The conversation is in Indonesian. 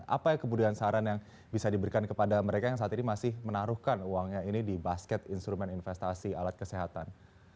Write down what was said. apa kemudian saran yang bisa diberikan kepada mereka yang saat ini masih menaruhkan uangnya ini di basket instrumen investasi alat kesehatan